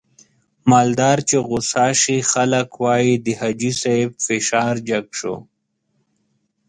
مالدار چې غوسه شي خلک واي د حاجي صاحب فشار جګ شو.